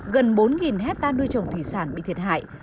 gần bốn hectare nuôi trồng thủy sản bị thiệt hại